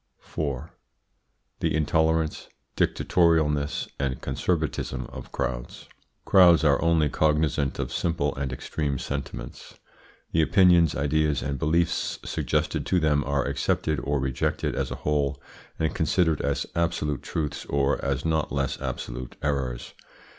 4. THE INTOLERANCE, DICTATORIALNESS AND CONSERVATISM OF CROWDS. Crowds are only cognisant of simple and extreme sentiments; the opinions, ideas, and beliefs suggested to them are accepted or rejected as a whole, and considered as absolute truths or as not less absolute errors.